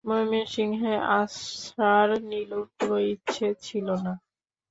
ময়মনসিংহে আসার নীলুর কোনো ইচ্ছা ছিল না।